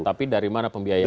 tapi dari mana pembiayaannya